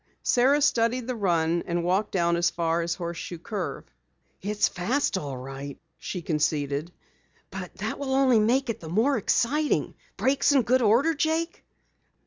Sara studied the run, and walked down as far as Horseshoe Curve. "It's fast all right," she conceded. "But that will only make it the more exciting. Brakes in good order, Jake?"